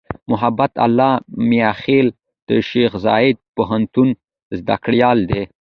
محبت الله "میاخېل" د شیخزاید پوهنتون زدهکړیال دی.